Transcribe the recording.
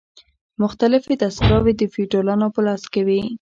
مختلفې دستګاوې د فیوډالانو په لاس کې وې.